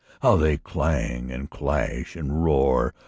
How they clang, and clash, and roar!